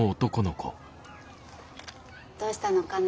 どうしたのかな？